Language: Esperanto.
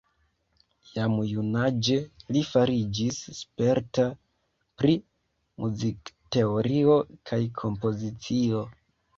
Jam junaĝe li fariĝis sperta pri muzikteorio kaj kompozicio.